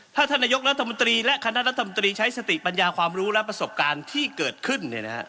ถ้าท่านนายกรัฐมนตรีและคณะรัฐมนตรีใช้สติปัญญาความรู้และประสบการณ์ที่เกิดขึ้น